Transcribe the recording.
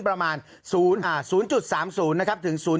ประมาณ๐๓๐๐๘๐เมตรนะครับ